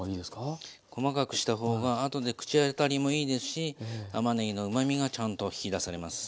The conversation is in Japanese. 細かくした方が後で口当たりもいいですしたまねぎのうまみがちゃんと引き出されます。